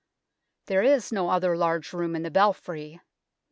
There is no other large room in the Belfry.